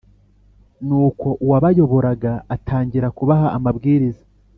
nuko uwabayoboraga atangira kubaha amabwiriza